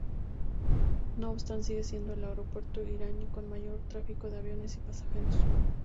No obstante, sigue siendo el aeropuerto iraní con mayor tráfico de aviones y pasajeros.